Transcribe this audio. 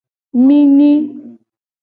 Mi nyi.